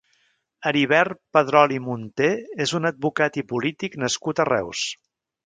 Heribert Padrol i Munté és un advocat i polític nascut a Reus.